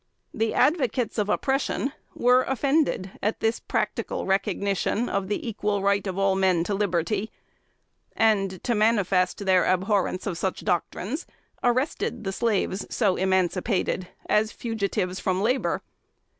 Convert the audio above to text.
The advocates of oppression were offended at this practical recognition of the "equal right of all men to liberty," and, to manifest their abhorrence of such doctrines, arrested the slaves so emancipated as fugitives from labor.